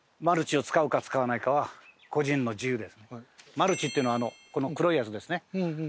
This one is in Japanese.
マルチっていうのはこの黒いやつですね。